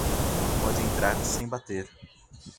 Pode entrar sem bater.